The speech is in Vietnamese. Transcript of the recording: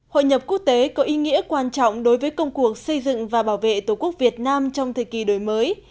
hội nhập quốc tế có ý nghĩa quan trọng đối với công cuộc xây dựng và bảo vệ tổ quốc việt nam trong thời kỳ đổi mới